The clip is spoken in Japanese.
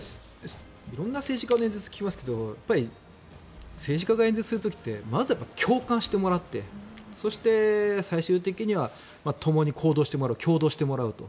色んな政治家の演説聞きますけど政治家が演説する時ってまず、共感してもらってそして、最終的にはともに行動してもらう共動してもらうと。